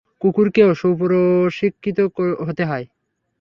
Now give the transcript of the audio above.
কুকুরকেও সুপ্রশিক্ষিত হতে হয়।